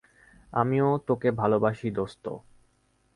আমিও তোকে ভালোবাসি, দোস্ত।